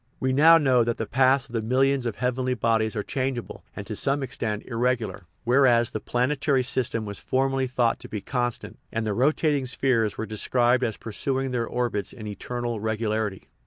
We now know that the paths of the millions of heav enly bodies are changeable, and to some extent irregu lar, whereas the planetary system was formerly thought to be constant, and the rotating spheres were described 241 THE RIDDLE OF THE UNIVERSE as pursuing their orbits in eternal regularity.